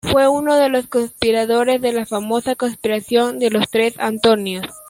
Fue uno de los co-conspiradores de la famosa Conspiración de los tres Antonios.